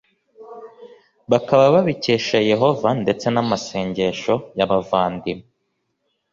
bakaba babikesha yehova ndetse n amasengesho y abavandimwe